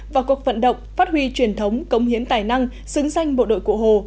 và cuộc vận động phát huy truyền thống cống hiến tài năng xứng danh bộ đội cụ hồ